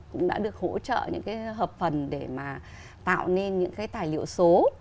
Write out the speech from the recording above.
cũng đã được hỗ trợ những cái hợp phần để mà tạo nên những cái tài liệu số